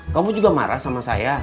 kamu juga marah sama saya